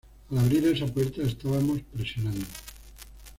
Al abrir esa puerta, estábamos presionando.